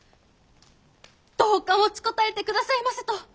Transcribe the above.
どうか持ちこたえてくださいませと！